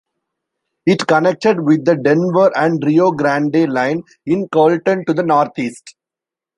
It connected with the Denver and Rio Grande line in Colton to the northeast.